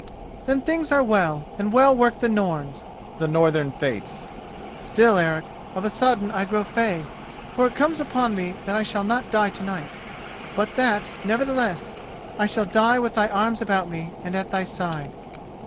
"Then things are well, and well work the Norns.[*] Still, Eric, of a sudden I grow fey: for it comes upon me that I shall not die to night, but that, nevertheless, I shall die with thy arms about me, and at thy side.